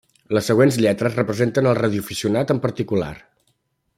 Les següents lletres representen al radioaficionat en particular.